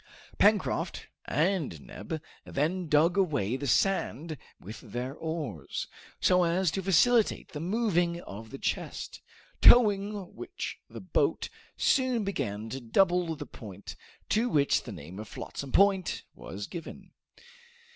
Pencroft and Neb then dug away the sand with their oars, so as to facilitate the moving of the chest, towing which the boat soon began to double the point, to which the name of Flotsam Point was given.